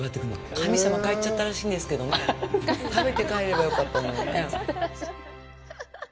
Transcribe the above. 神様、帰っちゃったらしいんですけどね食べて帰ればよかったのにね。